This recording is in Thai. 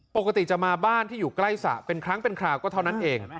ปกติจะมาบ้านที่อยู่ใกล้สระเป็นครั้งเป็นคราวก็เท่านั้นเอง